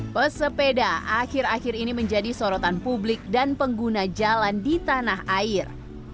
pesepeda akhir akhir ini menjadi sorotan publik dan pengguna jalan di tanah air